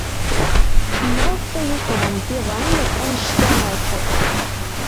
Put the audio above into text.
Maɣef ay ukḍent iḍan anect-a akk?